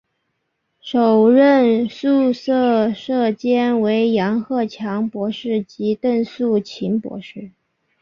首任宿舍舍监为杨鹤强博士及邓素琴博士。